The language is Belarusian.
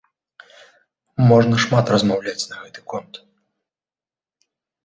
Можна шмат размаўляць на гэты конт.